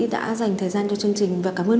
đã dành thời gian cho chương trình và cảm ơn